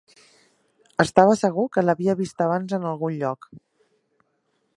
Estava segur que l'havia vist abans en algun lloc.